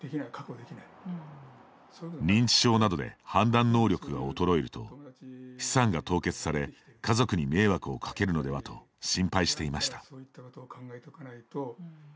認知症などで判断能力が衰えると資産が凍結され家族に迷惑をかけるのではと心配していました。